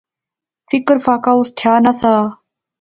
فکر فاقہ اس تھیا نہسا